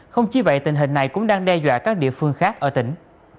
không chỉ vậy tình hình này cũng đang đe dọa các địa phương khác ở tỉnh